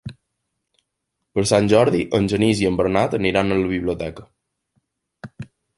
Per Sant Jordi en Genís i en Bernat aniran a la biblioteca.